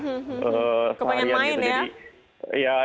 kepengen main ya